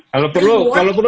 kalau perlu satu paket